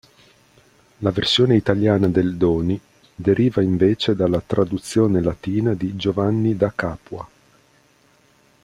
La versione italiana del Doni deriva invece dalla traduzione latina di Giovanni da Capua.